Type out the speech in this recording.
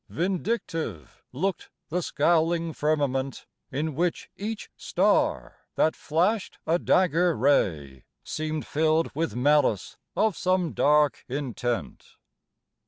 Vindictive looked the scowling firmament, In which each star, that flashed a dagger ray, Seemed filled with malice of some dark intent.